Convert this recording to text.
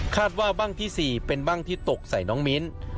ว่าบ้างที่๔เป็นบ้างที่ตกใส่น้องมิ้น